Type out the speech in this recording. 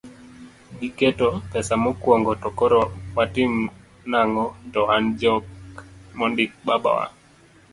giketo pesa mokuongo to koro watim nang'o to wan jok mondik, baba wa